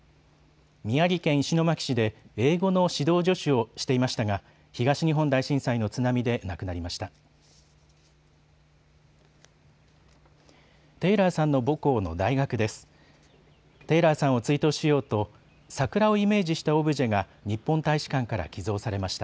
宮城県石巻市で英語の指導助手をしていましたが、東日本大震災の津波で亡くなりました。